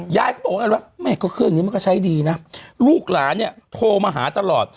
ยายก็บอกว่าแม่ก็เครื่องนี้มันก็ใช้ดีนะลูกหลานเนี่ยโทรมาหาตลอด